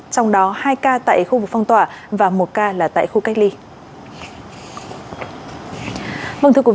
trong đó hai ca tại khu vực phong tỏa và một ca tại khu cách